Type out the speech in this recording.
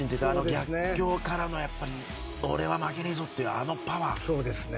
逆境からの俺は負けないぞっていうあのパワー。